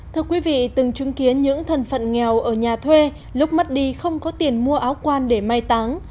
thưa quý vị từng chứng kiến những thần phận nghèo ở nhà thuê lúc mất đi không có tiền mua áo quan để mai táng